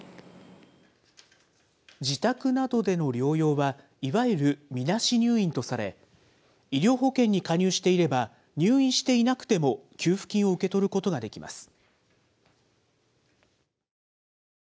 自宅などでの療養は、いわゆるみなし入院とされ、医療保険に加入していれば、入院していなくても、給付金を受け取ることができます。